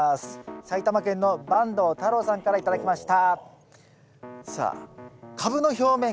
埼玉県の坂東太郎さんから頂きました。